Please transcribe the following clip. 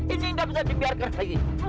ini nggak bisa dibiarkan lagi